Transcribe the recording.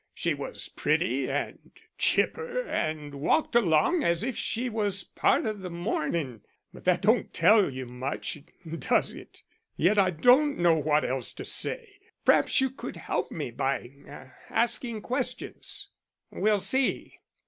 She was pretty and chipper and walked along as if she was part of the mornin'; but that don't tell you much, does it? Yet I don't know what else to say. P'raps you could help me by asking questions." "We'll see.